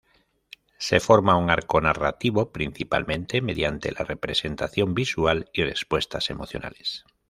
Se forma un arco narrativo principalmente mediante la representación visual y respuestas emocionales.